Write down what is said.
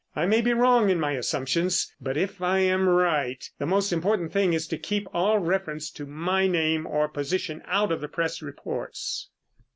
I may be wrong in my assumption, but if I am right, the most important thing is to keep all reference to my name or position out of the press reports."